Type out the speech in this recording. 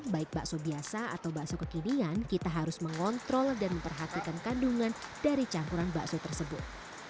baik bakso biasa atau bakso kekinian kita harus mengontrol dan memperhatikan kandungan dari campuran bakso tersebut